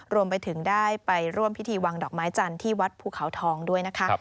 รวมไปถึงได้ไปร่วมพิธีวางดอกไม้จันทร์ที่วัดภูเขาทองด้วยนะคะ